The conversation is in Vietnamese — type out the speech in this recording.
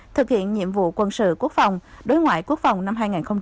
thực hiện nhiệm vụ quân sự quốc phòng đối ngoại quốc phòng năm hai nghìn một mươi bảy